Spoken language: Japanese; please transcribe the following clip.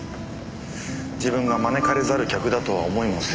自分が招かれざる客だとは思いもせずに。